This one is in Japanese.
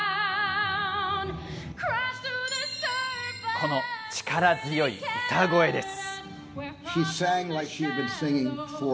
この力強い歌声です。